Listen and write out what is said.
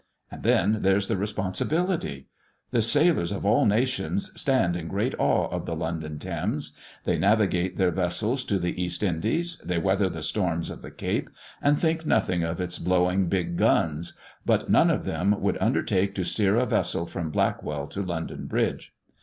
And then there's the responsibility! The sailors of all nations stand in great awe of the London Thames. They navigate their vessels to the East Indies; they weather the storms of the Cape, and think nothing of its blowing "big guns;" but none of them would undertake to steer a vessel from Blackwall to London bridge.